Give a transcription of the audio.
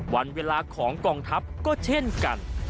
วันเวลาของกองทัพก็เช่นกัน